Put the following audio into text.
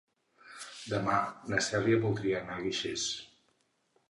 Demà na Cèlia voldria anar a Guixers.